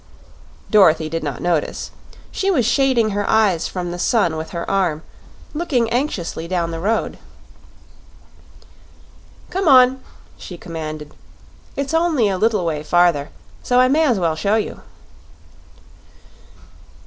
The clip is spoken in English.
Dorothy did not notice. She was shading her eyes from the sun with her arm, looking anxiously down the road. "Come on," she commanded. "It's only a little way farther, so I may as well show you."